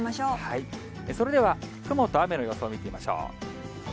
それでは雲と雨の予想を見てみましょう。